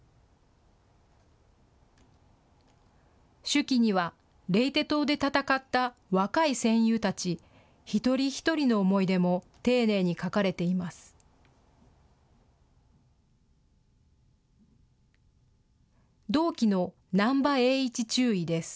手記には、レイテ島で戦った若い戦友たち、一人一人の思い出も丁寧に書かれています。